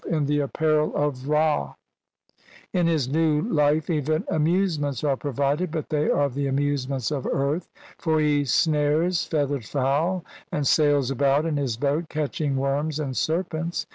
in the apparel of Ra ; in his new life even amuse ments are provided (but they are the amusements of earth), for he snares feathered fowl and sails about in his boat catching worms and serpents.